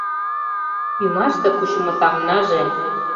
Ӱмаште кучымо таҥнаже -